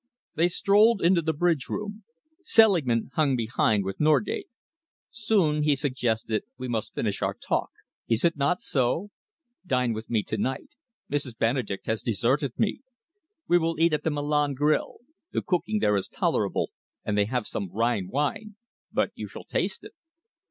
They strolled into the bridge room. Selingman hung behind with Norgate. "Soon," he suggested, "we must finish our talk, is it not so? Dine with me to night. Mrs. Benedek has deserted me. We will eat at the Milan Grill. The cooking there is tolerable, and they have some Rhine wine but you shall taste it."